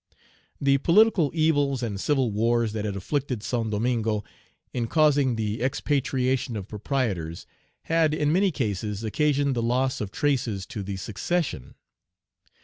The political evils and civil wars that had afflicted Saint Domingo, in causing the expatriation of proprietors, had in Page 129 many cases occasioned the loss of traces to the succession.